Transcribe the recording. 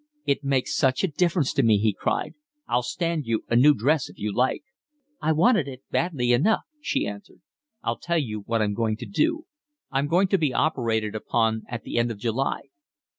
"It makes such a difference to me," he cried. "I'll stand you a new dress if you like." "I want it badly enough," she answered. "I'll tell you what I'm going to do. I'm going to be operated upon at the end of July."